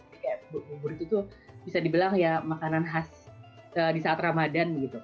jadi bubur itu bisa dibilang makanan khas di saat ramadhan